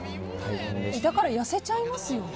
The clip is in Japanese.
だから痩せちゃいますよね。